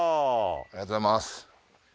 ありがとうございます。